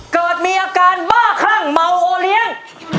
เกิดมีอาการบ้าคลั่งเมาโอเลี้ยง